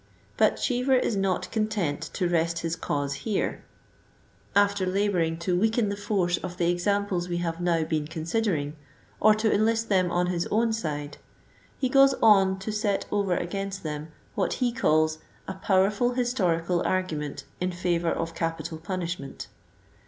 But Cheever is not content to rest his cause here, ^fler laboring to weaken the force of the examples we have now been considering, or to enlist them on his own side, he goes on to set over against them what he calls a powerful historical argument in favor of capital punishment."